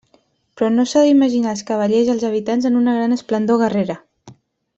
Però no s'ha d'imaginar els cavallers i els habitants en una gran esplendor guerrera.